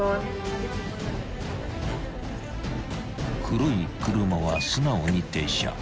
［黒い車は素直に停車］